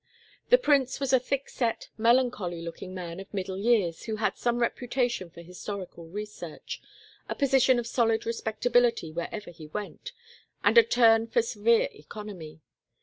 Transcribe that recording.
The prince was a thick set, melancholy looking man of middle years who had some reputation for historical research, a position of solid respectability wherever he went, and a turn for severe economy.